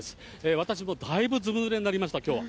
私もだいぶずぶぬれになりました、きょうは。